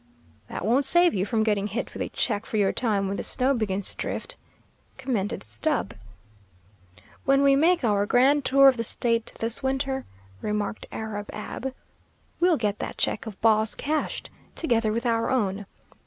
"That won't save you from getting hit with a cheque for your time when the snow begins to drift," commented Stubb. "When we make our grand tour of the State this winter," remarked Arab Ab, "we'll get that cheque of Baugh's cashed, together with our own.